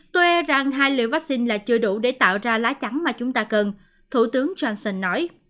tôi e rằng hai liều vaccine là chưa đủ để tạo ra lá chắn mà chúng ta cần thủ tướng johnson nói